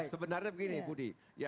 sebenarnya begini budi